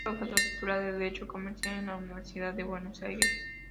Fue profesor titular de derecho comercial en la Universidad de Buenos Aires.